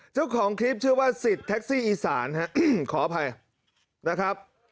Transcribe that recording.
เจ้าของคลิปชื่อว่าสิทธิ์แท็กซี่อีสานฮะขออภัยนะครับ